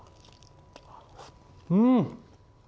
うん！